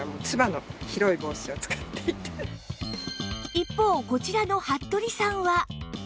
一方こちらの服部さんは